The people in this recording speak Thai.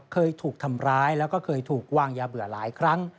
เคยถูกทำร้ายแล้วก็เคยถูกวางยาเบื่อหลายครั้ง